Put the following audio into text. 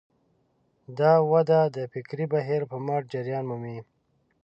دا وده د فکري بهیر په مټ جریان مومي.